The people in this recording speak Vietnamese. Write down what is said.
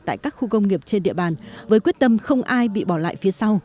tại các khu công nghiệp trên địa bàn với quyết tâm không ai bị bỏ lại phía sau